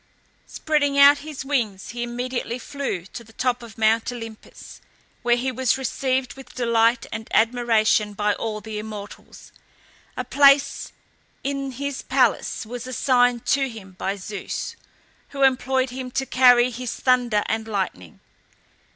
Spreading out his wings he immediately flew to the top of Mount Olympus, where he was received with delight and admiration by all the immortals. A place in his palace was assigned to him by Zeus, who employed him to carry his thunder and lightning.